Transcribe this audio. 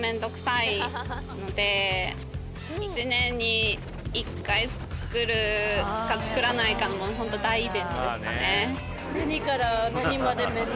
「１年に１回作るか作らないかの本当大イベントですかね」